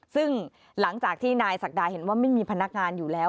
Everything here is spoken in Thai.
ซึ่งหลังจากที่นายศักดาเห็นว่าไม่มีพนักงานอยู่แล้ว